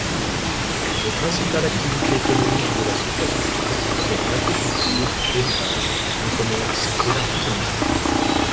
Les principales activités économiques de la sous-préfecture sont l'agriculture, l'élevage, le commerce et l'artisanat.